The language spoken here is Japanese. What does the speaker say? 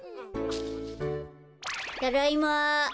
ただいま。